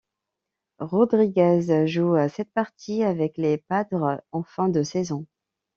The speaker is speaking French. Rodriguez joue sept parties avec les Padres en fin de saison.